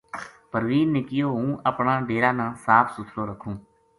پروین نے کہیو ہوں اپنا ڈیرا نا صاف سُتھرو رکھوں